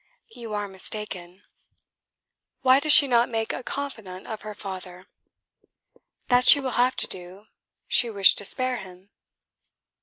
"You are mistaken." "Why does she not make a confidant of her father?" "That she will have to do. She wished to spare him."